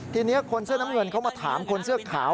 ทีนี้คนเสื้อน้ำเงินเขามาถามคนเสื้อขาว